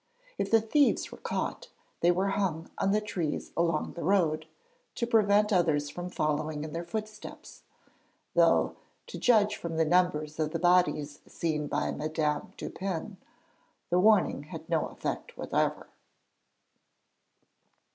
If the thieves were caught, they were hung on the trees along the road, to prevent others from following in their footsteps, though, to judge from the numbers of the bodies seen by Madame Dupin, the warning had no effect whatever.